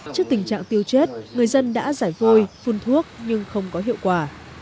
trước tình trạng tiêu chết người dân đã giải vôi phun thuốc nhưng không có hiệu quả